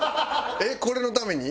えっ？これのために？